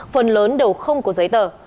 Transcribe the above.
phần lớn đều không có giấy tờ